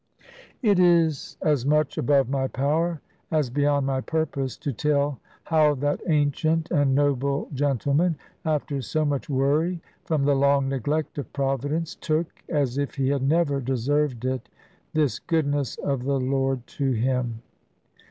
It is as much above my power, as beyond my purpose, to tell how that ancient and noble gentleman, after so much worry from the long neglect of Providence, took (as if he had never deserved it) this goodness of the Lord to him.